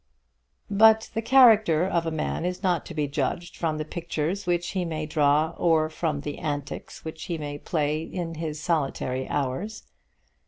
But the character of a man is not to be judged from the pictures which he may draw or from the antics which he may play in his solitary hours.